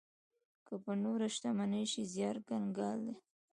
که په نوره شتمنۍ شي، زيار کنګال دی.